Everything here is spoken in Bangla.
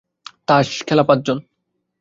তাঁস খেলা পাঁচজন।